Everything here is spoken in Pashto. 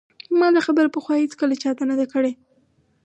ما دا خبره پخوا هیڅکله چا ته نه ده کړې